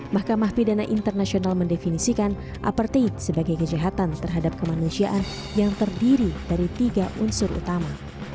mahkamah pidana internasional mendefinisikan apartheid sebagai kejahatan terhadap kemanusiaan yang terdiri dari tiga unsur utama